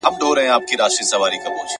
« ګیدړ چي مخ پر ښار ځغلي راغلی یې اجل دی» ,